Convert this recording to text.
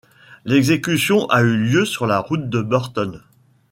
L'exécution a eu lieu sur la Route de Burton.